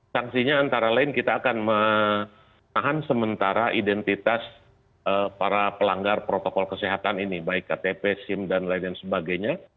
sanksinya antara lain kita akan menahan sementara identitas para pelanggar protokol kesehatan ini baik ktp sim dan lain lain sebagainya